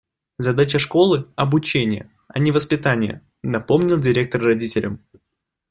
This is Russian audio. «Задача школы - обучение, а не воспитание», - напомнил директор родителям.